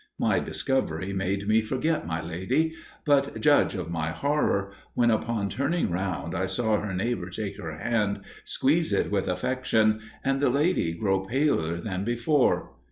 My discovery made me forget my lady; but judge of my horror, when upon turning round I saw her neighbour take her hand, squeeze it with affection, and the lady grow paler than before.